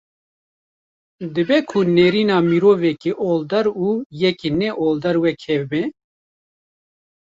Dibe ku nêrîna mirovekî oldar û yekî ne oldar wek hev be